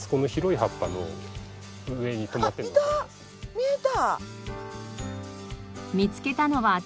見えた！